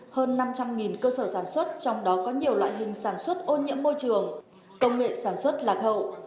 hơn năm trăm linh cơ sở sản xuất trong đó có nhiều loại hình sản xuất ô nhiễm môi trường công nghệ sản xuất lạc hậu